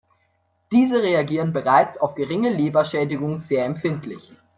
Diese reagieren bereits auf geringe Leberschädigung sehr empfindlich.